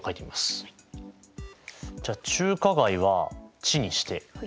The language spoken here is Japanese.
じゃあ中華街は「ち」にして。